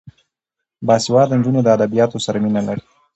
باسواده نجونې د ادبیاتو سره مینه لري.